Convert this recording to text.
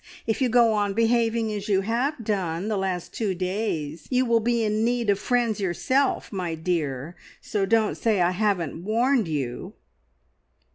If you go on behaving as you have done the last two days, you will be in need of friends yourself, my dear, so don't say I haven't warned you."